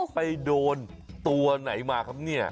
ไปโดนตัวไหนมาครับเนี่ย